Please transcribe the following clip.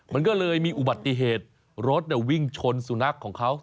มันก็เลยมีอุบัติเหตุรถวิ่งชนสุนัขของเขา